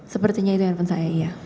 sepertinya itu handphone saya iya